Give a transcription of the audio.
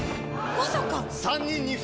まさか！